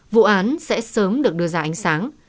vụ án sẽ sớm được đưa ra ánh sáng